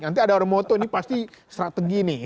nanti ada orang moto ini pasti strategi nih